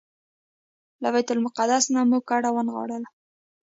له بیت المقدس نه مو کډه ونغاړله.